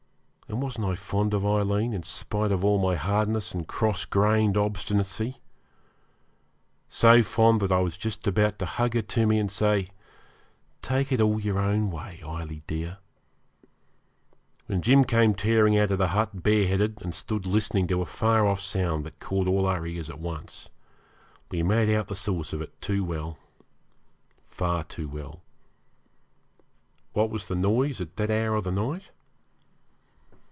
And wasn't I fond of Aileen, in spite of all my hardness and cross grained obstinacy? so fond that I was just going to hug her to me and say, 'Take it all your own way, Ailie dear,' when Jim came tearing out of the hut, bareheaded, and stood listening to a far off sound that caught all our ears at once. We made out the source of it too well far too well. What was the noise at that hour of the night?